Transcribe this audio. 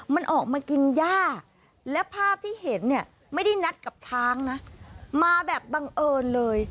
มาแบบบังเอิญเลย